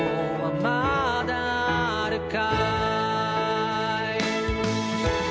「まだあるかい」